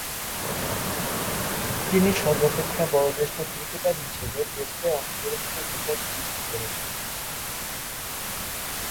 তিনি সর্বাপেক্ষা বয়োজ্যেষ্ঠ ক্রিকেটার হিসেবে টেস্টে অংশগ্রহণের রেকর্ড সৃষ্টি করেন।